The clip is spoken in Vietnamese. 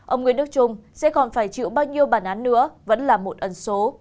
ông nguyễn đức trung sẽ còn phải chịu bao nhiêu bản án nữa vẫn là một ẩn số